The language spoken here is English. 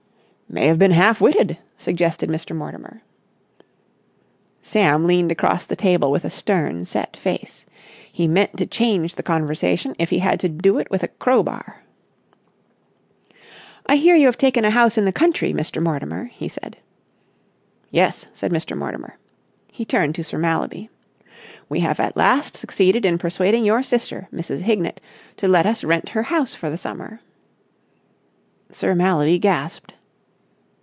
"May have been half witted," suggested Mr. Mortimer. Sam leaned across the table with a stern set face. He meant to change the conversation if he had to do it with a crowbar. "I hear you have taken a house in the country, Mr. Mortimer," he said. "Yes," said Mr. Mortimer. He turned to Sir Mallaby. "We have at last succeeded in persuading your sister, Mrs. Hignett, to let us rent her house for the summer." Sir Mallaby gasped.